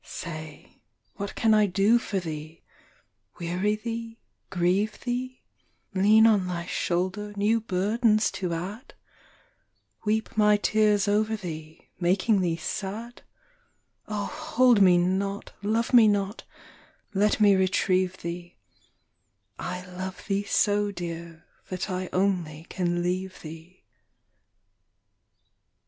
n. Say, what can I do for thee P weary thee, grieve thee ? Lean on thy shoulder, new burdens to add ? Weep my tears over thee, making thee sad ? Oh, hold me not — love me not ! let me retrieve thee. I love thee so, Dear, that I only can leave thee.